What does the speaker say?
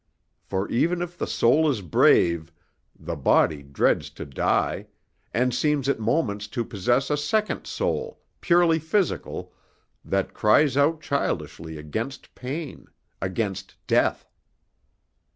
For even if the soul is brave, the body dreads to die, and seems at moments to possess a second soul, purely physical, that cries out childishly against pain, against death.